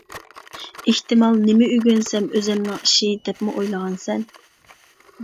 ئېھتىمال نېمە ئۆگەنسەم ئۆزۈمنىڭ ئىشى دەپمۇ ئويلىغانسەن.